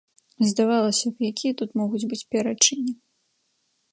Здавалася б, якія тут могуць быць пярэчанні?